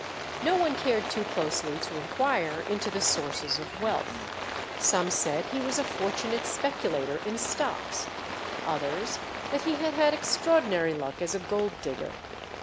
No one cared too closely to inquire into the sources of wealth. Some said he was a fortunate speculator in stocks, others that he had had extraordinary luck as a gold digger.